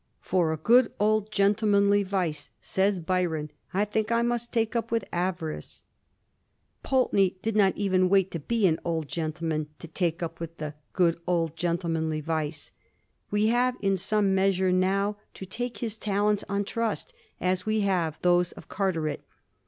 * For a good old gentlemanly vice,' says Byron, ' I think I must take up with avarice/ Pulteney did not even wait to be an old gentleman to take up with ' the good old gentlemanly vice.' We have in some measure now to take his talents on trust, as we have those of Carteret.